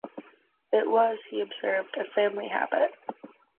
It was, he observed, a family habit.